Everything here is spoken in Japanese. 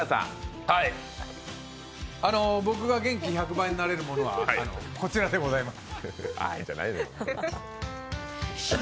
僕が元気１００倍になれるものは、こちらでございます。